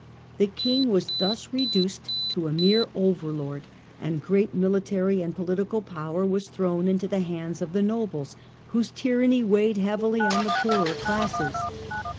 The king was thus reduced to a mere overlord and great military and political power was thrown into the hands of the nobles, whose tyranny weighed heavily on the poorer classes.